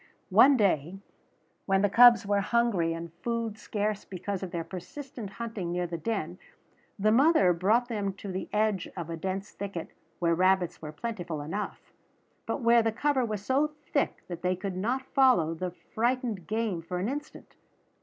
One day, when the cubs were hungry and food scarce because of their persistent hunting near the den, the mother brought them to the edge of a dense thicket where rabbits were plentiful enough, but where the cover was so thick that they could not follow the frightened game for an instant.